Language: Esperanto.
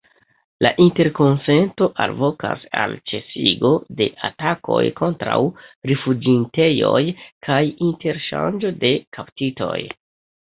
La interkonsento alvokas al ĉesigo de atakoj kontraŭ rifuĝintejoj kaj interŝanĝo de kaptitoj.